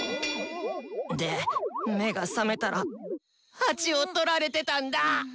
で目が覚めたら鉢をとられてたんだ。